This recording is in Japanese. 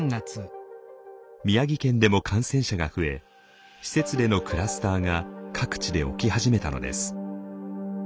宮城県でも感染者が増え施設でのクラスターが各地で起き始めたのです。